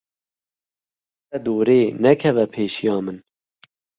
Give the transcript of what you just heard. Bikeve dorê, nekeve pêşiya min.